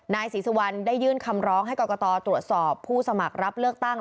นายศรีสุวรรณได้ยื่นคำร้องให้กรกตตรวจสอบผู้สมัครรับเลือกตั้ง